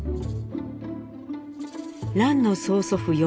蘭の曽祖父與